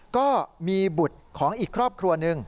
ก็มีบุตรของอีกครอบครัวหนึ่ง